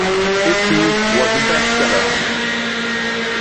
It too was a bestseller.